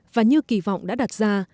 và như kỳ vọng đã đặt ra